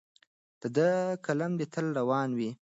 د ده قلم دې تل روان وي.